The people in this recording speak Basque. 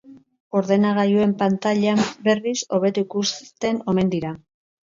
Ordenagailuen pantailan, berriz, hobeto ikusten omen dira.